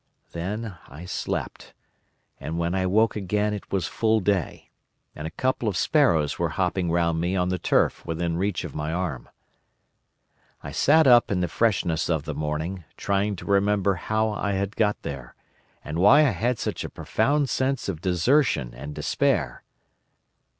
Then I slept, and when I woke again it was full day, and a couple of sparrows were hopping round me on the turf within reach of my arm. "I sat up in the freshness of the morning, trying to remember how I had got there, and why I had such a profound sense of desertion and despair.